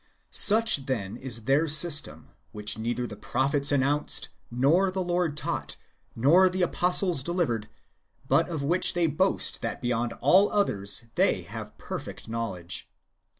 Such, then, is their system, which neither the prophets announced, nor the Lord taught, nor the apostles delivered, but of which they boast that beyond all others they have a perfect knowledge.